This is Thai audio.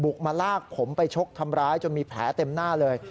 มาลากผมไปชกทำร้ายจนมีแผลเต็มหน้าเลย